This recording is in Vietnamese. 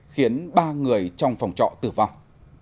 khiến ba người trong phòng trọ tử vong